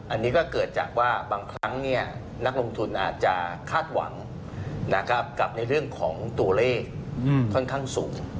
อันนี้ก็เกิดจากว่าบางครั้งนักลงทุนอาจจะคาดหวังกับในเรื่องของตัวเลขค่อนข้างสูง